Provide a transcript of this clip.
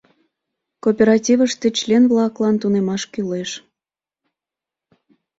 Кооперативыште член-влаклан тунемаш кӱлеш.